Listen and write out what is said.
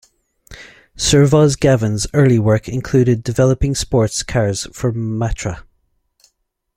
Servoz-Gavin's early work included developing sports cars for Matra.